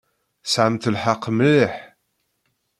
Tesɛamt lḥeqq mliḥ.